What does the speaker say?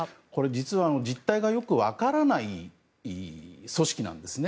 実は実態がよく分からない組織なんですね。